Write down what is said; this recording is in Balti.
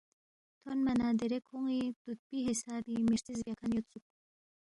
تھونما نہ دیرے کھون٘ی تُودپی حسابی می ہرژِس بیاکھن یودسُوک